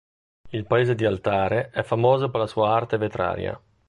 Il paese di Altare è famoso per la sua arte vetraria.